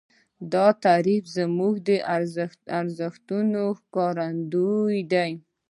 دا تعریف زموږ د ارزښتونو ښکارندوی دی.